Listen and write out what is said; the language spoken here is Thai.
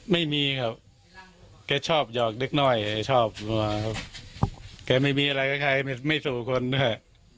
ไม่มีครับแกชอบหยอกเล็กน้อยชอบงัวครับแกไม่มีอะไรกับใครไม่สู่คนด้วย